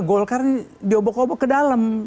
golkar ini diobok obok ke dalam